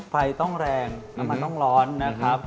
ไฟต้องแรงน้ำมันต้องร้อนนะครับ